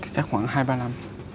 chắc khoảng hai ba năm